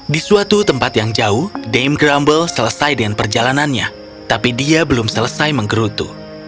di suatu tempat yang jauh dame grumble selesai dengan perjalanannya tapi dia belum selesai menggerutu